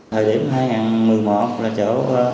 thời điểm hai nghìn một mươi một là chỗ